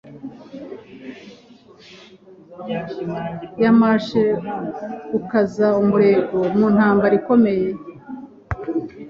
yamashe gukaza umurego mu ntambara ikomeye;